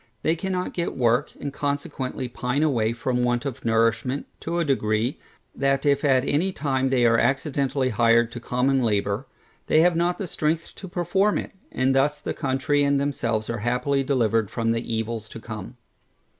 They cannot get work, and consequently pine away from want of nourishment, to a degree, that if at any time they are accidentally hired to common labour, they have not strength to perform it, and thus the country and themselves are happily delivered from the evils to come.